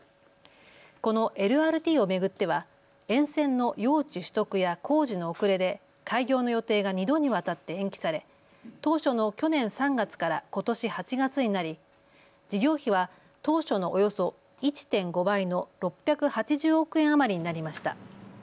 このＬＲＴを巡っては沿線の用地取得や工事の遅れで開業の予定が２度にわたって延期され当初の去年３月からことし８月になり事業費は当初のおよそ１．５倍の６８０億円余りになりました。